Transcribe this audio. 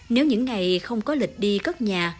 nếu những ngày không có lịch đi cất nhà